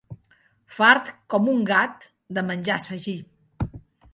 Fart com un gat de menjar sagí.